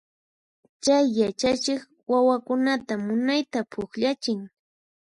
Chay yachachiq wawakunata munayta pukllachin.